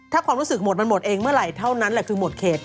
ถ้าความรู้สึกหมดมันหมดเองเมื่อไหร่เท่านั้นแหละคือหมดเขต